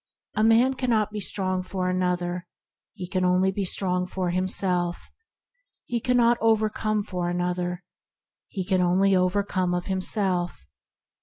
A man cannot be strong for another, he can only be strong for him self; he cannot overcome for another, he can only overcome of himself.